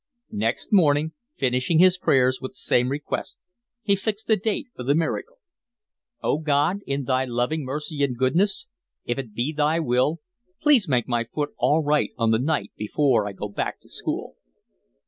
Next morning, finishing his prayers with the same request, he fixed a date for the miracle. "Oh, God, in Thy loving mercy and goodness, if it be Thy will, please make my foot all right on the night before I go back to school."